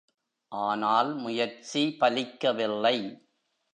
ஆனால் முயற்சி பலிக்கவில்லை.